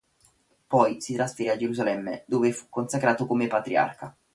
Poi si trasferì a Gerusalemme dove fu consacrato come Patriarca.